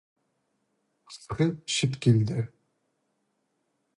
Хысхы чит килді.